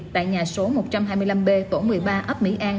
tại nhà số một trăm hai mươi năm b tổ một mươi ba ấp mỹ an